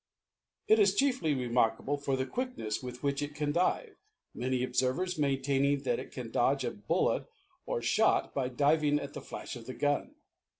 It is chiefly remarkable for the quickness with which it can dive, many observers maintaining that it can dodge a bullet or shot by diving at the flash of the gun.